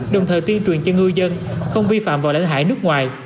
đồng thời tuyên truyền cho ngư dân không vi phạm vào lãnh hải nước ngoài